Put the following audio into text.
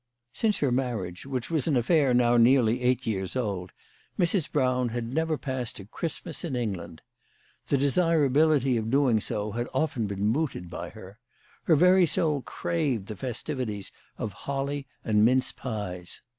Since her marriage, which was an affair now nearly eight years old, Mrs. Brown had never passed a Christmas in England. The desirability of doing so had often been mooted by her. Her very soul craved the festivities of holly and mince pies.